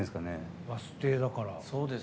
バス停だから。